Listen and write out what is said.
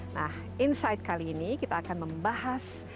nah insight kali ini kita akan membahas